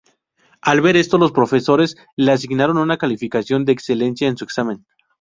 Al ver esto, los profesores le asignaron una calificación de excelencia en su examen.